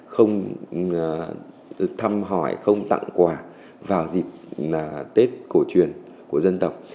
không thăm hỏi không tặng quà vào dịp tết cổ truyền của dân tộc